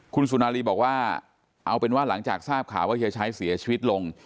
คุณสุนารีบอกว่าเอาเป็นว่าหลังจากทราบข่าวว่าเฮียชัยเสียชีวิตลง